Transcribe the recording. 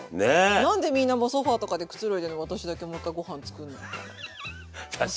何でみんなもうソファーとかでくつろいでんのに私だけもう１回ご飯作んのみたいな。